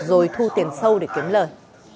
rồi thu tiền sâu để kiếm lời